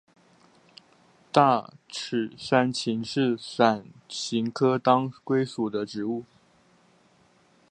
大齿山芹是伞形科当归属的植物。